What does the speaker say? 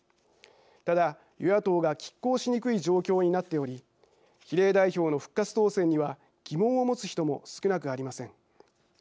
ただ与野党がきっ抗しにくい状況になっており比例代表の復活当選には疑問を持つ人も少なくありません。